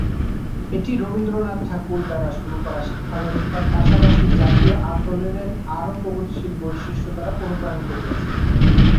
এটি রবীন্দ্রনাথ ঠাকুর দ্বারা শুরু করা শিক্ষাব্যবস্থার পাশাপাশি জাতীয় আন্দোলনের আরও প্রগতিশীল বৈশিষ্ট্য দ্বারা অনুপ্রাণিত হয়েছিল।